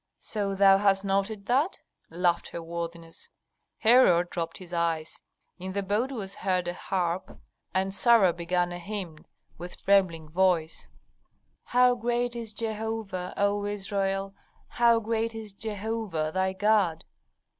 "So thou hast noted that?" laughed her worthiness. Herhor dropped his eyes. In the boat was heard a harp, and Sarah began a hymn, with trembling voice, "How great is Jehovah, O Israel! how great is Jehovah, thy God."